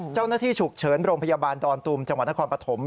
เจ้าหน้าที่ฉุกเฉินโรงพยาบาลดอนตุมจังหวัดนครปฐม